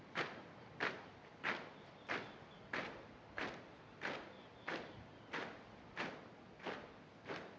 laporan komandan upacara kepada inspektur upacara